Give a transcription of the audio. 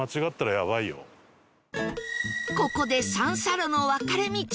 ここで三叉路の分かれ道